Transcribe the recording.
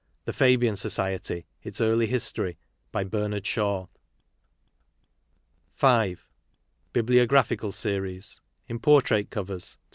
The Fabian Society: its Early History. By Bernard Shaw. ,>^' ,f _=.' V. — Biographical Series. In portrait covers, 2d.